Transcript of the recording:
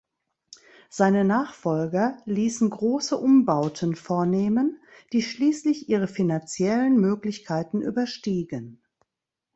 Seine Nachfolger liessen grosse Umbauten vornehmen, die schliesslich ihre finanziellen Möglichkeiten überstiegen.